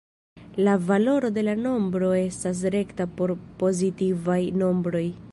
La valoro de la nombro estas rekta por pozitivaj nombroj.